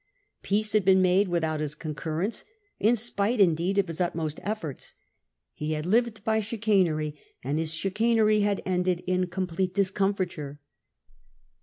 Peace had been made without his concurrence — in spite, indeed, of his utmost efforts. He had lived by chicanery, and his chicanery had ended in complete discomfiture.